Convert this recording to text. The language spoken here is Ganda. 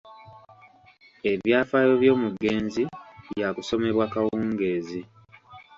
Ebyafaayo by'omugenzi byakusomebwa kawungeezi.